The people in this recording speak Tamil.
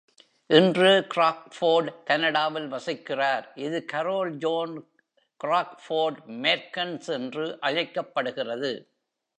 இன்று, க்ராஃபோர்டு கனடாவில் வசிக்கிறார், இது கரோல் ஜோன் க்ராஃபோர்ட்-மெர்கென்ஸ் என்று அழைக்கப்படுகிறது.